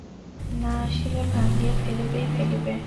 না আসিলে ভাঙিয়া ফেলিবেই ফেলিবে।